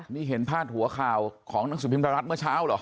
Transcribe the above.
นี่เห็นพาดหัวข่าวของหนังสือพิมพ์ไทยรัฐเมื่อเช้าเหรอ